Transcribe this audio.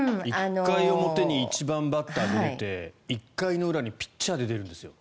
１回表に１番バッターで出て１回の裏にピッチャーで出るんですよ。